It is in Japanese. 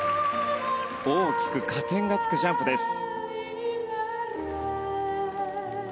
大きく加点がつくジャンプです。